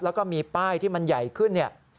แล้วก็มีป้ายที่มันใหญ่ขึ้นเนี่ย